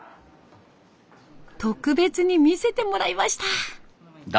特別に見せてもらいました。